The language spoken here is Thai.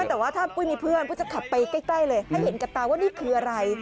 แต่ว่าถ้าปุ้ยมีเพื่อนปุ้ยจะขับไปใกล้เลยให้เห็นกับตาว่านี่คืออะไร